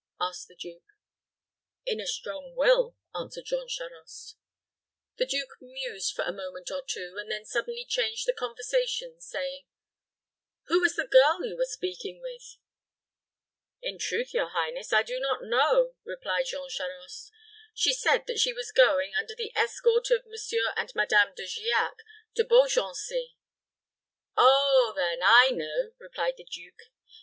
asked the duke. "In a strong will," answered Jean Charost. The duke mused for a moment or two, and then suddenly changed the conversation, saying, "Who was the girl you were speaking with?" "In truth, your highness, I do not know," replied Jean Charost. "She said that she was going, under the escort of Monsieur and Madame De Giac, to Beaugency." "Oh, then, I know," replied the duke.